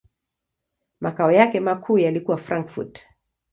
Makao yake makuu yalikuwa Frankfurt.